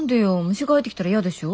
虫が入ってきたらイヤでしょ。